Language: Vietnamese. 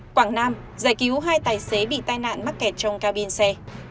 quảng nam giải cứu hai tài xế bị tai nạn mắc kẹt trong cao biên xe